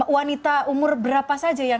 wanita umur berapa saja